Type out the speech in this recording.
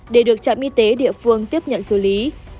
để được trạm y tế địa phương tiếp nhận xử lý